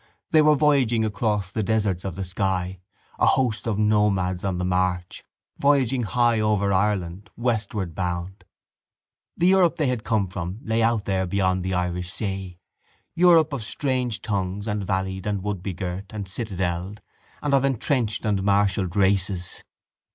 They were voyaging across the deserts of the sky, a host of nomads on the march, voyaging high over Ireland, westward bound. The Europe they had come from lay out there beyond the Irish Sea, Europe of strange tongues and valleyed and woodbegirt and citadelled and of entrenched and marshalled races.